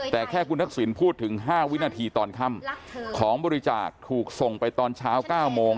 แต่แค่คุณทักษิณพูดถึง๕วินาทีตอนค่ำของบริจาคถูกส่งไปตอนเช้า๙โมง